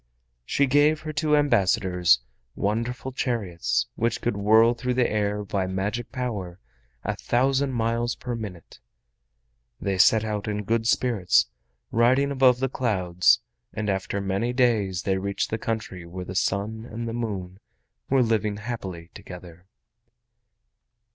She gave her two ambassadors wonderful chariots which could whirl through the air by magic power a thousand miles per minute. They set out in good spirits, riding above the clouds, and after many days they reached the country where the Sun and the Moon were living happily together.